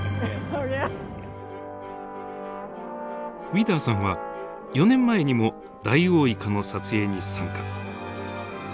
ウィダーさんは４年前にもダイオウイカの撮影に参加。